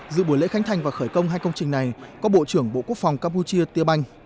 dự buổi lễ khánh thành và khởi công hai công trình này có bộ trưởng bộ quốc phòng campuchia tiêu banh